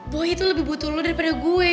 boy itu lebih butuh lo daripada gue